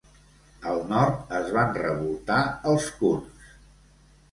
Al nord es van revoltar els kurds.